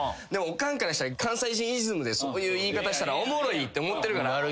でもおかんからしたら関西人イズムでそういう言い方したらおもろいって思ってるから。